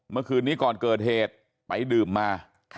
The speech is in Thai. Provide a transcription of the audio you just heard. เมื่อคืนนี้ก่อนเกิดเหตุไปดื่มมา